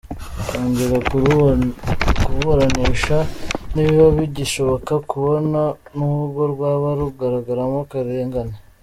Kongera kuruburanisha ntibiba bigishoboka kabone n’ubwo rwaba rugaragaramo akarengane.